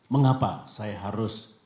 mengapa saya harus